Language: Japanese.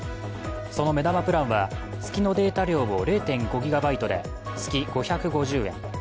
その目玉プランは月のデータ量を０．５ＧＢで月５５０円。